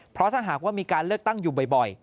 เพราะถ้าหากว่ามีการเลือกตั้งอยู่บ่อย